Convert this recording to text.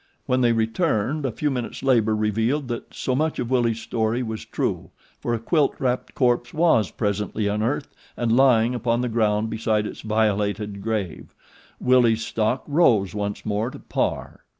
When they returned a few minutes' labor revealed that so much of Willie's story was true, for a quilt wrapped corpse was presently unearthed and lying upon the ground beside its violated grave. Willie's stock rose once more to par.